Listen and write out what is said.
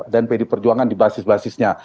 dan pedi perjuangan di basis basisnya